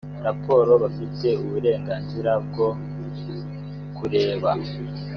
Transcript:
raporo bafite uburenganzira bwo kureba